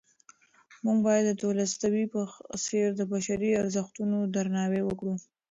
موږ باید د تولستوی په څېر د بشري ارزښتونو درناوی وکړو.